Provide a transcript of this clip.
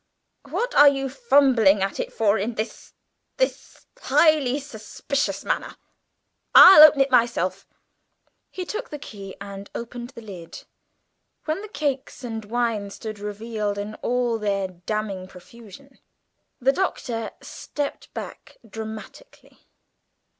"What are you fumbling at it for in this this highly suspicious manner? I'll open it myself." He took the key and opened the lid, when the cakes and wine stood revealed in all their damning profusion. The Doctor stepped back dramatically.